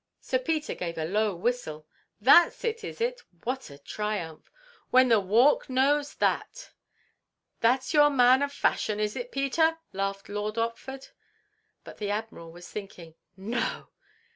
Sir Peter gave a low whistle. "That's it, is it?" What a triumph! "When the Walk knows that—!" "That's your man of fashion, is it, Peter?" laughed Lord Otford. But the Admiral was thinking. "No!"